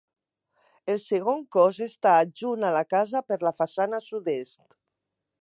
El segon cos està adjunt a la casa per la façana sud-est.